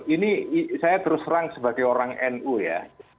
ini saya terus terang sebagai orang nu ya